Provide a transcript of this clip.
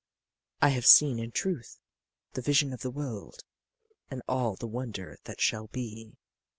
"I have seen, in truth, 'the vision of the world and all the wonder that shall be.